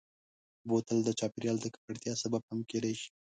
بوتل د چاپېریال د ککړتیا سبب هم کېدای شي.